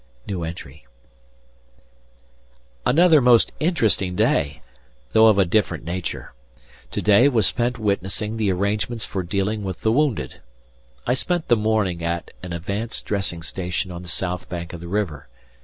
Another most interesting day, though of a different nature. To day was spent witnessing the arrangements for dealing with the wounded. I spent the morning at an advanced dressing station on the south bank of the river.